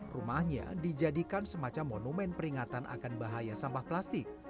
rumahnya dijadikan semacam monumen peringatan akan bahaya sampah plastik